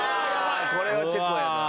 これはチェコやな